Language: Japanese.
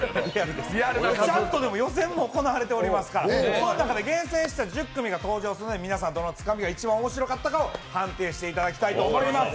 ちゃんと予選も行われておりますから、その中から厳選した１０組が登場しますので皆さん、つかみが一番面白かったコンビを判定していただきたいと思います。